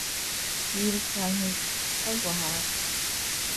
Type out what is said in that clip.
Yirukanyije ipusi agwa hasi